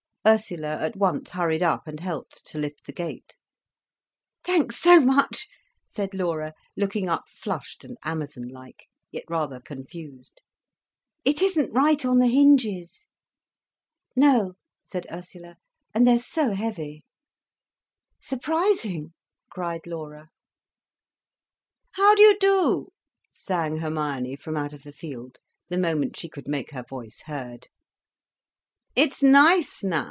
Ursula at once hurried up and helped to lift the gate. "Thanks so much," said Laura, looking up flushed and amazon like, yet rather confused. "It isn't right on the hinges." "No," said Ursula. "And they're so heavy." "Surprising!" cried Laura. "How do you do," sang Hermione, from out of the field, the moment she could make her voice heard. "It's nice now.